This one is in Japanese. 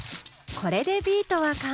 これでビートは完成。